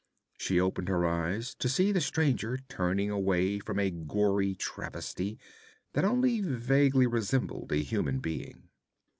She opened her eyes, to see the stranger turning away from a gory travesty that only vaguely resembled a human being.